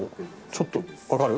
ちょっとわかる？